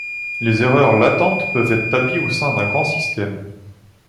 Les erreurs latentes peuvent être tapies au sein d'un grand système.